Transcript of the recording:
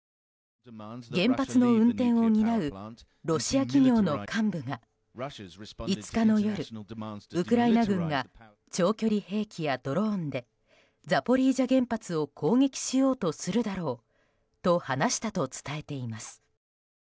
原発の運転を担うロシア企業の幹部が５日の夜、ウクライナ軍が長距離兵器やドローンでザポリージャ原発を攻撃しようとするだろうと話したと伝えています。